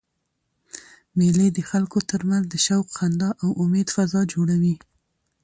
مېلې د خلکو ترمنځ د شوق، خندا او امېد فضا جوړوي.